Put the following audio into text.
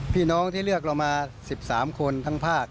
พี่น้องที่เลือกเรามา๑๓คนทั้งภาค